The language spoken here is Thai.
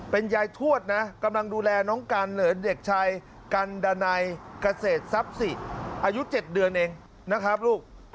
เป็นยายทวดนะกำลังดูแลน้องกันเหลือเด็กชายกันดานัยเกษตรทรัพย์สิอายุ๗เดือนเองนะครับลูก